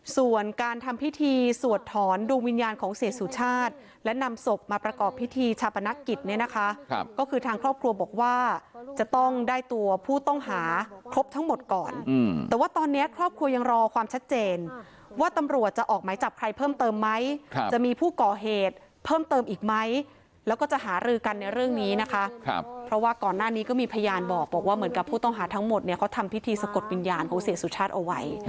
ส่วนการทำพิธีสวดถอนดวงวิญญาณของเศรษฐสุชาติและนำศพมาประกอบพิธีชาปนกฤทธิ์เนี่ยนะคะก็คือทางครอบครัวบอกว่าจะต้องได้ตัวผู้ต้องหาครบทั้งหมดก่อนแต่ว่าตอนนี้ครอบครัวยังรอความชัดเจนว่าตำรวจจะออกไหมจับใครเพิ่มเติมไหมจะมีผู้ก่อเหตุเพิ่มเติมอีกไหมแล้วก็จะหารือกันในเรื่องนี้